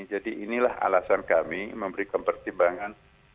jadi inilah alasan kami memberikan pertimbangan